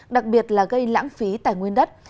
đặc biệt là gây lãng phí tài nguyên đất